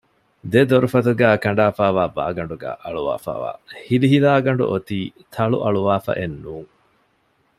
ދެ ދޮރުފަތުގައި ކަނޑާފައިވާ ބާގަނޑުގައި އަޅުވަފައިވާ ހިލިހިލާގަނޑު އޮތީ ތަޅުއަޅުވާފައެއް ނޫން